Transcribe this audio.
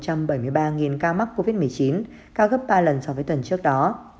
tổng cộng hơn bảy ca mắc covid một mươi chín cao gấp ba lần so với tuần trước đó